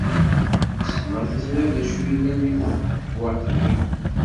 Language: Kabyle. Wissen ma teẓriḍ d acu yellan deg tbewwaṭ-nni?